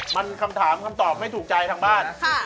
มันคำถามคำตอบไม่ถูกใจทางบ้าน